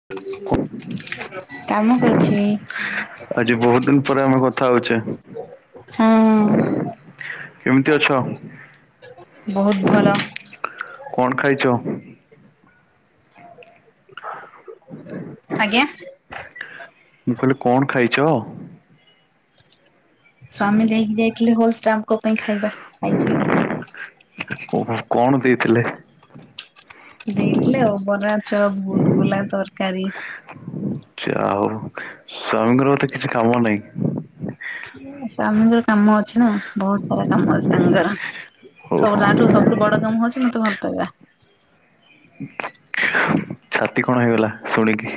[inaudible] କାମ କରୁଛି। ଆଜି ବହୁତ ଦିନ ପରେ ଆମେ କଥା ହଉଚେ, ହଁ କେମିତି ଅଛ? ବହୁତ ଭଲ। କଣ ଖାଇଚ? ଆଜ୍ଞା। ମୁଁ କହିଲି କଣ ଖାଇଚ? ସ୍ଵାମୀ ଦେଇକି ଯାଇଥିଲେ ହୋଲ ଷ୍ଟାମ୍ କ ପାଇଁ ଖାଇବା ଖାଇଚି ଆଉ। ଓହୋ କଣ ଦେଇଥିଲେ? ଦେଇଥିଲେ ଆଉ ବରା ଚପ୍ ଗୁଲଗୁଲା ତରକାରୀ। ଯା ହଉ ସ୍ୱାମୀଙ୍କର ବୋଧେ କିଛି କାମ ନାହିଁ - ସ୍ୱାମୀଙ୍କର କାମ ଅଛି ନା ବହୁତ ସାରା କାମ ଅଛି ତାଙ୍କର। ସବୁ ଓହୋ ନାଠୁ ସବୁଠୁ ବଡ କାମ ହଉଚି ମତେ ଭଲ ପାଇବା। ଛାତି କଣ ହେଇଗଲା ଶୁଣିକି।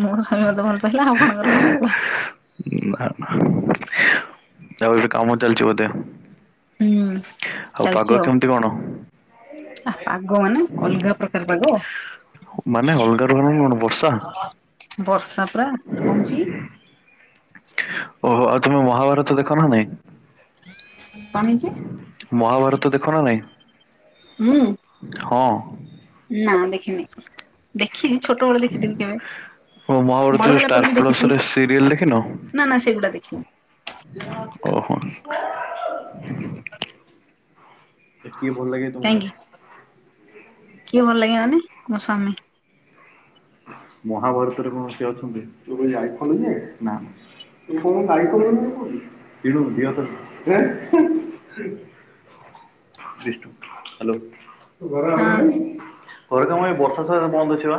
ମୋ ସ୍ୱାମୀ ମତେ ଭଲ ପାଇଲା ଆପଣଙ୍କର କଣ ଗଲା। ନା ନା ତାବେ ବି କାମ ଚାଲଛି ବୋଧେ। ହୁଁ ଆଉ ପାଗ କେମିତି କଣ? ଆହା ପାଗ ମାନେ ଅଲଗା ପ୍ରକାର ପାଗ। ମାନେ ଅଲଗା [unintelligible] କଣ ବର୍ଷା? ବର୍ଷା ପରା ଧୋଉଚି। ଓହୋ ଆଉ ତୁମେ ମହାଭାରତ ଦେଖ ନା ନାଇଁ? କଣ ହେଇଛି ମହାଭାରତ ଦେଖ ନା ନାଇଁ? ହୁଁ। ହଁ। ନା ଦେଖିନି ଦେଖିଚି ଛୋଟ ବଳେ ଦେଖିଥିବି କେବେ। ଓଁ ମହାଭାରତ ବଡ ଯୋଉ ହେଲା ପରେ ଷ୍ଟାର ବି ଦେଖିଛି ପ୍ଲସରେ ସିରିଏଲ ଦେଖିନ? ନା ନା ସେଗୁଡା ଦେଖିନି ଓହୋ। [inaudible] କିଏ ଭଲ ଲାଗେ? ତମକୁ କାହିଁକି, କିଏ ଭଲ ଲାଗେ ମାନେ ମୋ ସ୍ଵାମୀ। ମହାଭାରତରେ କଣ ସିଏ ଅଛନ୍ତି? [inaudible] ହ୍ୟାଲୋ [unintelligible] ହଁ। ଘର କାମ ଏଇ ବର୍ଷ ସାରା ବନ୍ଦ ଅଛି ବା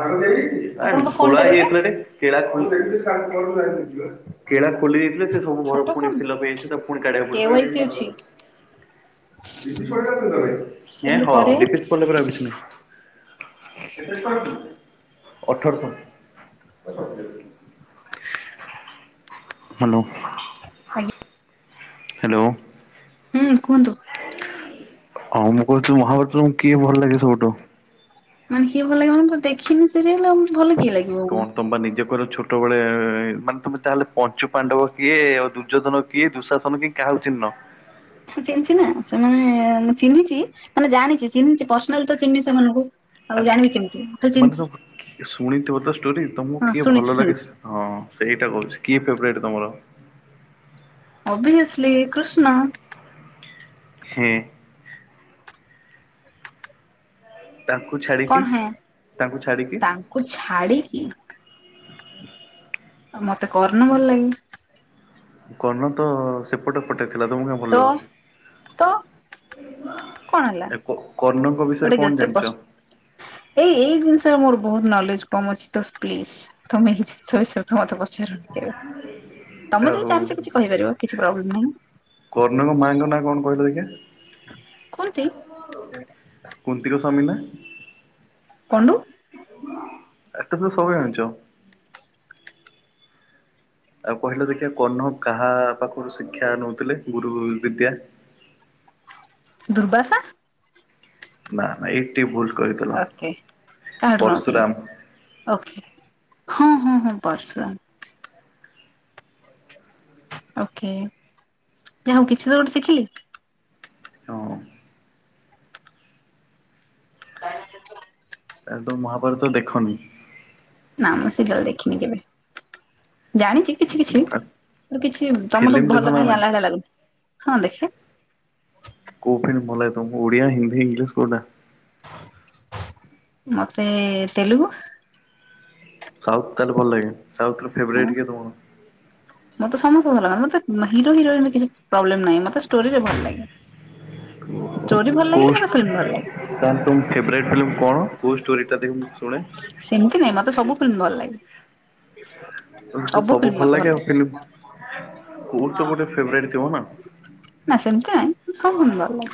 ପାଗ ଦେଇଦେଇଚି ଆପଣଙ୍କ ଫୋନ ଖୋଳା ଟା ହେଇ ଦେଲେ ଯାଇଥିଲାରେ [inaudible] କେଳା ଖୋଲି ଦେଇଥିଲେ ସେ ସବୁ ଘର ଛୋଟ ପୁଣି ଫୋନ ଫିଲପ ହେଇଯାଇଚି ତାକୁ ପୁଣି କଢ଼ିଆକୁ କେୱାଇସି ପଡିବ ଅଛି କେମିତି କରେଇବେ? [unintelligible] ଅଠରଶହ। ହ୍ୟାଲୋ। ଆ୍ [unintelligible] ହ୍ୟାଲୋ। ହୁଁ କୁହନ୍ତୁ। ହଁ ମୁଁ କହୁଥିଲୁ ମହାଭାରତ ତମକୁ କିଏ ଭଲ ଲାଗେ ସବୁଠୁ। ମାନେ କିଏ ଭଲ ଲାଗୋନେ ଦେଖିନି ସିରିଆଲ ଭଲ କିଏ ଲାଗେ। କଣ ତ ନିଯେ କହିଲ ଛଟ ଗୋଟେବେଳେ ମାନେ ତମେ ଚାହେଲେ ପଞ୍ଚୁ ପାଣ୍ଡବ କିଏ ଆଉ ଦୁର୍ଯ୍ୟୋଧନ କିଏ ଦୁଃଶାସନ କିଏ କାହାର ଚିହ୍ନ। ଚିହ୍ନିଚି ଛିି ନା ସେମାନେ ମୁଁ ଚିହ୍ନିଛି ମାନେ ଜାଣିଛି ଚିହ୍ନିଛି ପର୍ସନାଲ ତ ଚିହ୍ନି ସେମାନଙ୍କୁ। ଆଉ ଆରେ ଜାଣିବି କେମିତି ମୁଁ ଖାଲି ମାନେ ଚିହ୍ନିଛି ତ ଶୁଣିଥିବୋ ତେ ଷ୍ଟୋରି ତମକୁ ହଁ କିଏ ଶୁଣିଛି ଭଲ ଲାଗେ ଶୁଣିଛି ସେ ହଁ ସେଇଟା କହୁଛି କିଏ ଫେବରାଇଟ୍ ତମର। ଅବଭିିୟସ୍ଲି କୃଷ୍ଣ। ହୁଁ। [unintelligible] ତାଙ୍କୁ ଛାଡିକି ତାଙ୍କୁ ଛାଡିକି। ଛାଡ଼ିକି ଆଉ ମତେ କର୍ନ ଭଲ ଲାଗେ। କର୍ନ ତ ସେପଟେ ପଟେ ଥିଲା ତମକୁ କାହିଁ ତ ଭଲ ଲାଗୁଛି। ତ କଣ ହେଲା ଏ କର୍ଣ୍ଣଙ୍କ ଗୋଟେ ବିଷୟରେ କଣ ଗେଟରେ ପଶ ଜାଣିଛ? ଏଇ ଏଇ ଜିନିଷରେ ମୋର ବହୁତ ନଲେଜ କମ ଅଛି ତ ପ୍ଲିଜ। ତମେ ଏ ଜିନିଷ ବିଷୟରେ ତ ମତେ ପଚାରନି କେବେ ତମେ ଆଉ ଯଦି ଜାଣିଛ କି କହିପାରିବ କିଛି ପ୍ରୋବ୍ଲେମ୍ ନାହିଁ। କର୍ଣ୍ଣଙ୍କ ମାଙ୍କ ନା କଣ କହିଲ ଦେଖିଆ? କୁନ୍ତି, କଉନ୍ତି କ ସ୍ୱାମୀ ନା। କନ୍ତୁ [unintelligible] ତ ସବୁ ଜାଣିଛ। ଆଉ କହିଲେ ଦେଖିବା କହ୍ନ କାହା ପାଖରୁ ଶିକ୍ଷା ନଉଥିଲେ ଗୁରୁ ବିଦ୍ୟା। ଦୁର୍ବାସା। ନା ନା ଏଇଠି ଭୁଲ କହିଦେଲ ଓକେ କାହାଠୁ ନଉଥିଲେ ପର୍ଶୁରାମ। ଓକେ ହଁ ହଁ ହଁ ପର୍ଶୁରାମ। ଓକେ ଯାହା ହଉ କିଛି ତ ଗୋଟେ ଶିଖିଲି। ହଉ [unintelligible] କ [unintelligible] ଏ ତ ମହାଭାରତ ଦେଖନି। ନା ମୁଁ ସିରିଏଲ୍ ଦେଖିନି କେବେ ଜାଣିଛି। କିଛି କିଛି କିଛି ତମଠୁ ଫିଲ୍ମ ଦେଖ ଭଲ ନା କାମ ନାଇଁ? ଜାଣିଲା ଭଳିଆ ଲାଗୁଚି ହଁ ଦେଖିଆ। କଉ ଫିଲ୍ମ ଭଲ ଲାଗେ ତ ଓଡ଼ିଆ ହିନ୍ଦୀ ଏଙ୍ଗିଲିଶ କୋଉଟା। ମତେ ତେଲୁଗୁ। ସାଉଥ ତାହେଲେ ଭଲ ଲାଗେ ସାଉଥ୍ ହଁ ଫେରାଇଟ୍ କିଏ ତମର। ମତେ ସମସ୍ତେ ଭଲ ଲାଗେ ମତେ ହର ହିରୋଇନ କିଛି ପ୍ରୋବ୍ଲେମ ନାହିଁ ମତେଷ୍ଟୋରିରେ ଭଲ ଲାଗେ। ହୁ [unintelligible] ଷ୍ଟୋରି ଭଲ ଲାଗିଲେ ମତେ ଫିଲ୍ମ ଭଲ ଲାଗେ। ତାହେଲେ ଫୋଭାର୍ଟ ଫିଲ୍ମ କଣଦେଖ ମୁଁ ଶୁଣେ। ସେମିତି ନାଇଁ ମତେ ସବୁ ଫିଲ୍ମ ଭଲ ଲାଗେ। ତମକୁ ତ ସବୁ ଭଲ ଲାଗେ ଆଉ ଫ୍ଲିମ କୋଉଟି ତ ଗୋଟେ ଫେବୁଇଟେ ଥିବ ନା। ନା ସେମିତି ନାଇଁ ସବୁ ଭଲ ଲାଗେ।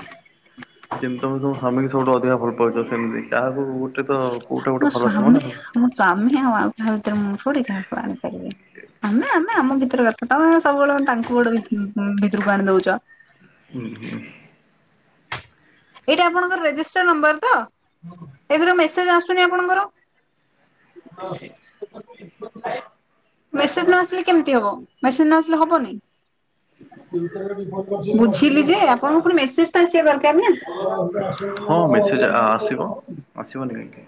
ଯେମିତି ତମ ତମ ସ୍ୱାମୀକୁ ସବୁଠୁ ଅଧିକା ଭଲ ପାଉଛ ସେମିତି କାହାକୁ ତ କୋଉଟା ଗୋଟେ ମୋ ଭଲ ଥିବ ସ୍ଵାମୀ ନା? ମୋ ସ୍ଵାମୀ ଆଉ ଆଉ କାହା ଭିତରେ ମୁଁ ଡିକାନ କରିବି [unintelligible] ଆମେ ଆମେ ଆମ ଭିତରେ କଥା ତମେ ସବୁବେଳେ ତାଙ୍କୁ ଗୋଟେ ଭିତରକୁ ଭିତରକୁ ଆଣି ଦଉଛ। ହୁଁ ହୁଁ। ଏଇଟା ଆପଣଙ୍କର ରେଜିଷ୍ଟର ନମ୍ବର ତ ଏଥିର ମେସେଜ ଆସୁନି ଆପଣଙ୍କର? ହଉ [unintelligible] [inaudible] ମେସେଜ ନ ଆସିଲେ କେମିତି ହବ ମେସେଜ ନ ଆସିଲେ ହବନି। [inaudible] ବୁଝିଲି ଯେ ଆପଣଙ୍କୁ ଫୁଣି ମେସେଜ ତ ଆସିବା ଦରକାର ନା। ଆସ ହଁ ମେସେଜ୍ ଆ [unintelligible] ଆସିବ ଆସିବନି କାହିଁକି।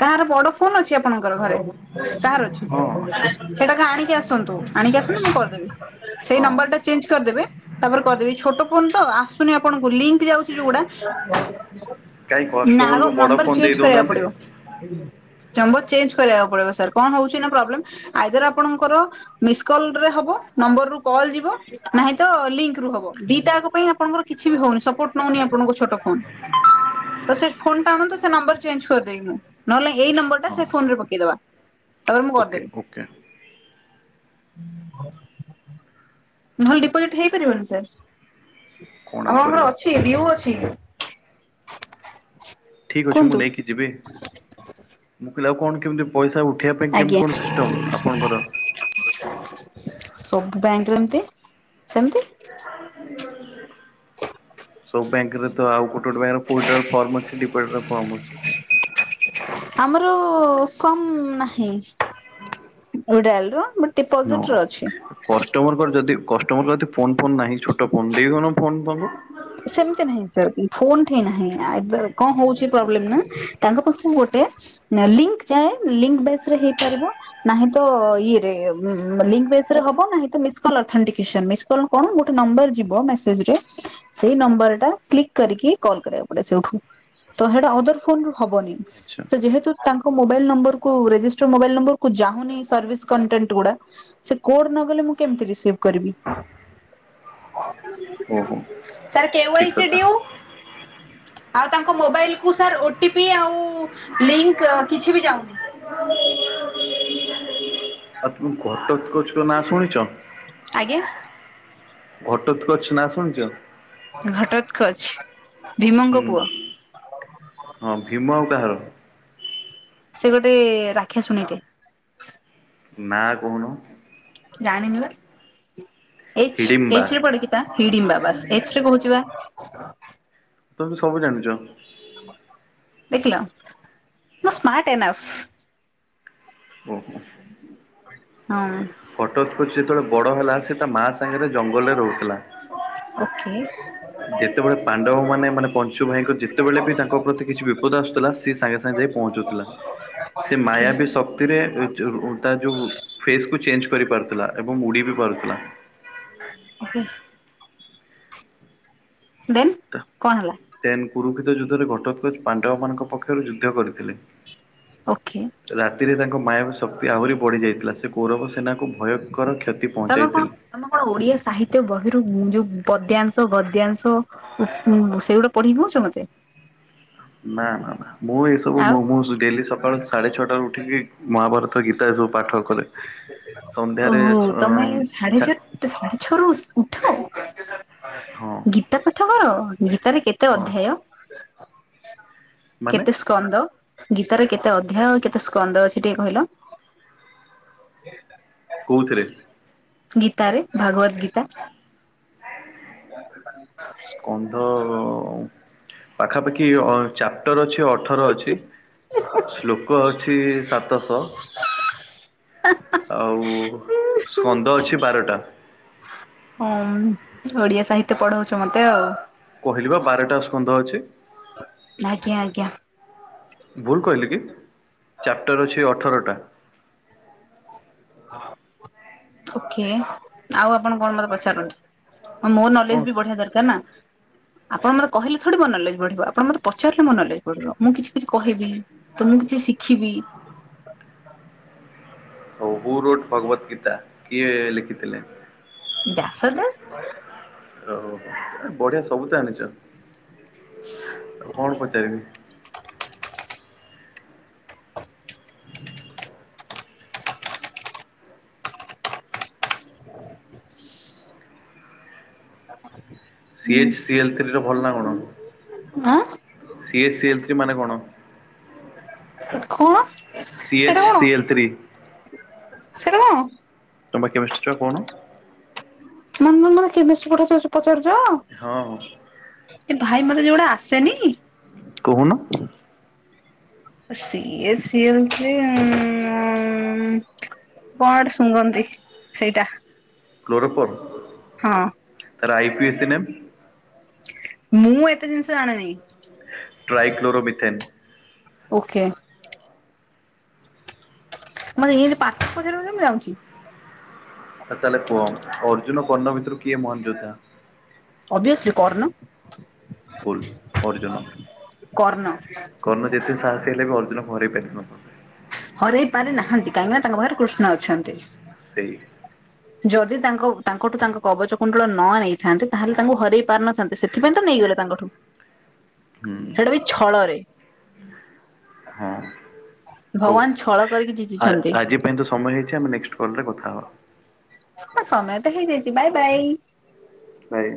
କାହାର ବଡ ଫୋନ୍ ଅଛି ଆପଣଙ୍କର ଘରେ କାହାର ଅଛି? ହଁ ଅଛି ସେଟାକୁ ଆଣିକି ଆସନ୍ତୁ ଆଣିକି ଆସନ୍ତୁ ମୁଁ କରିଦେବି ସେଇ ହଁ ନମ୍ବର ଟା ଚେଞ୍ଜ କରିଦେବେ। ତାପରେ କରିଦେବି ଛୋଟ ଫୋନ୍ ତ ଆସୁନି ଆପଣଙ୍କୁ ଲିଙ୍କ୍ ଯାଉଚି ଯୋଉଗୁଡା କାହିଁ ନା ଆଗ କଷ୍ଟମରକୁ ବଡ଼ ନମ୍ବର ଫୋନ୍ ଦେଇ ଚେଞ୍ଜ କରିବା ଦେଉନାହାନ୍ତି ପଡିବ। ଚମ୍ବର ଚେଞ୍ଜ କରିବାକୁ ପଡିବ ସାର୍ କଣ ହଉଚି ନାଁ ପ୍ରୋବ୍ଲେମ୍ ଆଇଦର ଆପଣଙ୍କର ମିସ୍ କଲରେ ହବ ନମ୍ବର ରୁ କଲ୍ ଯିବ ନାହିଁ ତ ଲିଙ୍କ୍ ରୁ ହବ ଦିଟା ଅଙ୍କ ପାଇଁ ଆପଣଙ୍କର କିଛି ବି ହଉନି ସପୋର୍ଟ ନଉନି ଆପଣଙ୍କ ଛୋଟ ଫୋନ୍। ତ ସେ ଫୋନ୍ ଟା ଆଣତୁ ସେ ନମ୍ବର ଚେଞ୍ଜ କରିଦେବି ମୁଁ। ନହେଲେ ଏଇ ନମ୍ବର ଟା ହଁ ସେ ଫୋନ୍ ରେ ପକେଇଦବା ତାପରେ ମୁଁ ଓକେ କରିଦେବି। ଓକେ [inaudible] ଭଲ ଡିପୋଜିଟ୍ ହେଇପାରିବନି ସାର୍। କଣ ଆଉ ହଁ ହଁ କରିବା ଅଛି ନିୟୁ ଅଛି। ଠିକ୍ ଅଛି ମୁଁ କୁହନ୍ତୁ ନେଇକି ଯିବି ମୁଁ କହିଲି ଆଉ କଣ କେମିତି ପଇସା ଉ ପଠେଇବା ପାଇଁ ଆଜ୍ଞା କେମିତି କଣ ସିଷ୍ଟମ୍ ଆପଣଙ୍କର? [inaudible] ସବୁ ବ୍ୟାଙ୍କ୍ ରେ ଏମତି ସେମିତି। ସବୁ ବ୍ୟାଙ୍କ୍ ରେ ତ ଆଉ ଗୋଟେ ଗୋଟେ ବ୍ୟାଙ୍କ୍ ରେ ଫୁଲ୍ ଲକ୍ ଫର୍ମ ଅଛି ଡିପୋଜିଟ୍ ଫର୍ମ ଅଛି। [inaudible] ଆମର ସମ ନାହିଁ। ରୁଡ଼ାଆଲୁଅ ବଟ୍ ନୋ କଷ୍ଟମରଙ୍କ ଯଦି କଷ୍ଟମର ଫୋନ୍ ଫୋନ୍ ନାହିଁ ଛୋଟ ଫୋନ୍ ଦେଇଦଉନ ଫୋନ୍ ତାଙ୍କୁ। ସେମିତି ନାହିଁ ସାର୍ ଫୋନ୍ ଠି ନାହିଁ ଆଇଦର କଣ ହଉଚି ପ୍ରୋବ୍ଲେମ୍ ନାଁ ତାଙ୍କ ପାଖରୁ ଗୋଟେ ନା ଲିଙ୍କ୍ ଯାଏ ଲିଙ୍କ୍ ବେସ୍ ରେ ହେଇପାରିବ। ନାହିଁ ତ ଇଏରେ ଲିଙ୍କ୍ ବେଶ୍ ରେ ହବ ନାହିଁ ତ ମିସ୍ କଲ୍ ଅର୍ଥନିକେଶନ୍ ମିସ୍ କଣ କଣ ଗୋଟେ ନମ୍ବର ଯିବ ମେସେଜ୍ ରେ ସେଇ ନମ୍ବର ଟା କ୍ଲିକ୍ କରିକି କଲ୍ କରିବାକୁ ପଡେ ସେଇଠୁ ତ ସେଟା ଅଦର ଫୋନ୍ ରୁ ହବନି। ଆଚ୍ଛା ତ ଯେହେତୁ ତାଙ୍କ ମୋବାଇଲ ନମ୍ବରକୁୁ ରେଜିଷ୍ଟର ମୋବାଇଲ ନମ୍ବର କୁ ଯାହୁନି ସର୍ଭିସ୍ କଣ୍ଟେଣ୍ଟ ଗୁଡା। ସେ କୋଡ୍ ନ ଗଲେ ମୁଁ କେମିତି ରିସିଭ୍ କରିବି। ଓହୋ ତାର କେଉଁ ଠିକ୍ ଆଇସି କଥା ଡିଉ। ଆଉ ତାଙ୍କ ମୋବାଇଲ କୁ ସାର୍ ଓଟିପି ଆଉ ଲିଙ୍କ୍ କିଛି ବି ଯାଉନି। ଘଟତ୍ କୋଚ୍ ଙ୍କ ନାଁ ଶୁଣିଚ? ଆଜ୍ଞା। ଘଟତ୍ କୋଚ୍ ନା ଶୁଣିଚ? ଘଟତ୍ କୋଚ୍ ହୁଁ ଭୀମଙ୍କ ପୁଅ। ହଁ ଭୀମ ଆଉ କାହାର? ସେ ଗୋଟେ ରାକ୍ଷା ଶୁଣି ଟେ। ନାଁ କୁହୁନୁ? ଜାଣିନି ବା ହୁଁ ଏଚ୍ ହିଡିମ୍ବା ଏଚ୍ ରେ ପଡେକି? ତା ହିଡିମ୍ବାବାସ୍ ଏଚ୍ ରେ କହୁଚିବା। ତୁମେ ସବୁ ଜାଣିଚ। ଦେଖିଲ ମୁଁ ସ୍ମାର୍ଟ ଏନାଫ୍। ଆଜ୍ଞା। [unintelligible] ବଟରସ୍କଚ୍ ଯେତେବେଳେ ବଡ଼ ହେଲା ସେ ତା ମା ସାଙ୍ଗରେ ଜଙ୍ଗଲରେ ରହୁଥିଲା। ଓକେ। ଯେତେବେଳେ ପାଣ୍ଡବ ମାନେ ମାନେ ପଞ୍ଚୁ ଭାଇଙ୍କ ଯେତେବେଳେ ବି ତାଙ୍କ ପ୍ରତି କିଛି ବିପଦ ଆସୁଥିଲା ସେ ସାଙ୍ଗେ ସାଙ୍ଗେ ଯାଇ ପହଞ୍ଚୁଥିଲା ସେ ଓକେ ମାୟା ବି ଶକ୍ତିରେ ଏ ଯୋଉ ତା ଯୋଉ ଫେସ୍ କୁ ଚେଞ୍ଜ କରି ପାରୁଥିଲା ଏବଂ ଉଡି ବି ପାରୁଥିଲା। [unintelligible] ଦେନ୍ କଣ ହେଲା। ତେନ୍ କୁରୁକ୍ଷତ ଯୁଦ୍ଧରେ ଘଟୋତ୍କଜ ପାଣ୍ଡବ ମାନଙ୍କ ପକ୍ଷରୁ ଯୁଦ୍ଧ କରିଥିଲେ। ଓଖେ। ରାତିରେ ତାଙ୍କ ମାୟାବି ଶକ୍ତି ଆହୁରି ବଢି ଯାଇଥିଲା ସେ କୌରବ ସେନାକୁ ଭୟଙ୍କର କ୍ଷତି ତମେ କଣ ପହଞ୍ଚାଇଥିଲେ। ତମେ କଣ ଓଡିଆ ସାହିତ୍ୟ ବହିରୁ ଯୋଉ ପଦ୍ୟାଂଶ ଗଦ୍ୟାଂଶ ଉଁ ଉଁ ସେଉରା ପଢିକି କହୁଛ ମତେ ନା ନା ନା ମୁଁ ଏସବୁ ଆଉ ମୁଁ ମୁଁ ଡେଲି ସକାଳୁ ସାଢେ ଛଅଟାରୁ ଉଠିକି ମହାଭାରତ ପାଠ ଗୀତା ଏ ଯୋଉ ପାଠ କରେ ସନ୍ଧ୍ୟାରେ ଓହୋ ତମେ ସାଢେ ଠାକୁ ଚାର ସାଢେ ଛଅରୁ ଉ ଉଠ ହଁ ଗୀତା ପାଠ କର ଗୀତାରେ କେ କେତେ ହଁ ଅଧ୍ୟାୟ? ମାନେ କେତେ ସ୍କନ୍ଦ ଗୀତା ରେ କେତେ ଅଧ୍ୟାୟ କେତେ ସ୍କନ୍ଦ ଅଛି ଟିକେ କହିଲ? ଦି ଟା। କୋଉଥିରେ? ଗୀତ ରେ ଭାଗବତ ଗୀତା। [unintelligible] କନ୍ଧ ପାଖାପାଖି ଅ ଚାପ୍ଟର ଅଛି ଅ ଅଠର ଅଛି ଶ୍ଲୋକ ଅଛି ସାତଶ ଆଉ ସ୍କନ୍ଦ ଅଛି ବାରଟା। ହୁଁ ଓଡିଆ ସାହିତ୍ୟ ପଢଉଛୁ ମତେ ଆଉ। କହିଲିବା ବାରଟା ସ୍କନ୍ଧ ଅଛି। ଆଜ୍ଞା ଆଜ୍ଞା। ଭୁଲ୍ କହିଲି କି ଚାପ୍ଟର ଅଛି ଅଠରଟା। ଓକେ ଆଉ ଆପଣ କଣ ମତେ ପଚାରନ୍ତୁ? ଆଉ ମୋର କଣ? ନଲେଜ୍ ବି ବଢିଆ ଦରକାର୍ ନା। ଆପଣ ମତେ କହିଲେ ଥଡି ମୋ ନଲେଜ୍ ବଢିବ ଆପଣ ମତ ପାଚାରିଲେ ମୋ ନଲେଜ୍ ବଢିବ ମୁଁ କିଛି କିଛି କହିବି ତ ମୁଁ କିଛି ଶିଖିବି। ହୋଉ ଉରୋଟ ଭଗବତ୍ ଗୀତା କିଏ ଲେଖିଥିଲେ? ବ୍ୟାସଦେବ୍। ଓ ବଢିଆ ସବୁ ତ ଆଣିଚ। ଆଉ କଣ ପଚାରିବି? [inaudible] ସିଏଚ୍ ସିଏଲ୍ ଥ୍ରୀର ଭଲ ନାଁ କଣ? ଆଁ? ସିଏ ସିଏଲ୍ ଥ୍ରି ମାନେ କଣ? କଣ? C H C L three. ସେଟା କଣ? ତମେ ବା କେମିଷ୍ଟ୍ର ଛୁଆ କହୁନ। ମାନ୍ ତମେ ମତେ କେମିଷ୍ଟ୍ରୀ ପାଠ [unintelligible] ପଚାରୁଚ? ହଁ-ହଁ। ଏ ଭାଇ ମତେ ଯୋଉ ଗୋଟା ଆସେନି କହୁନ? C H C L three ଉଁ କଣ ଗୋଟେ ଶୁଙ୍ଘନ୍ତି ସେଇଟା। [unintelligible] ହଁ। ତାର ଆଇ ପି [unintelligible] ନେମ୍? ମୁଁ ଏତେ ଜିନିଷ ଜାଣନି। Trichloromethane. ଓକେ। ମତେ ଏନ୍ତି ପାଠ ପଚାରିବ ଯଦି ମୁଁ ଯାଉଚି। ଆ ତାହେଲେ କୁହ ଅର୍ଜୁନ କର୍ଣ୍ଣ ଭିତୁରୁ କିଏ ମହନ୍ ଯୋଦ୍ଧା? ଅବିଅସ୍ଲି କର୍ଣ୍ଣ। ଭୁଲ୍ ଅର୍ଜୁନ, କର୍ଣ୍ଣ କର୍ଣ୍ଣ ଯେତେ ସାହସୀ ହେଲେ ବି ଅର୍ଜୁନକୁ ହରେଇ ପାରିବନି। ହରେଇ ପାରି ନାହାନ୍ତି କାହିଁକିନା ତାଙ୍କ ପାଖେରେ କୃଷ୍ଣ ଅଛନ୍ତି। ସେଇ ଯଦି ତାଙ୍କ ତାଙ୍କଠୁ ତାଙ୍କ କବଚ କୁଣ୍ଡଳ ନ ନେଇଥାେନ୍ତେ ତାହେଲେ ତାଙ୍କୁ ହରେଇ ପାରି ନଥାନ୍ତେ, ସେ ସେଥିପାଇଁ ତ ନେଇଗଲେ ତାଙ୍କଠୁ। [inaudible] ସେଇଟା ବି ଛଳରେ। ହଁ ହଉ ଭଗବାନ୍ ଛଳ କରିକି ଆ- ଜିତିଛନ୍ତି। ଆଜି ପାଇଁ ତ ସମୟ ହେଇଚି, ଆମେ ନେକ୍ସଟ୍ କଲ୍ ରେ କଥା ହବା। ହଁ ସମୟ ତ ହେଇଯାଇଚି ବାଇ-ବାଇ। ବାଏ।